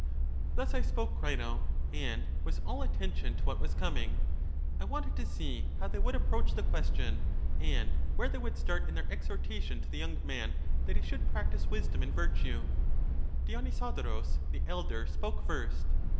Thus I spoke, Crito, and was all attention to what 238 EUTHYDEMUS was coming. I wanted to see how they would ap proach the question, and where they would start in their exhortation to the young man that he should practise wisdom and virtue. Dionysodorus the elder spoke first.